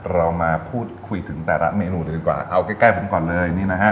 เรามาพูดคุยถึงแต่ละเมนูเลยดีกว่าเอาใกล้ผมก่อนเลยนี่นะฮะ